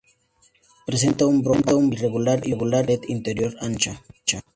Presenta un brocal irregular y una pared interior ancha.